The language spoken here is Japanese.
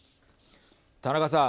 田中さん。